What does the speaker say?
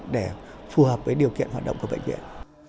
để phù hợp với điều kiện hoạt động của bệnh viện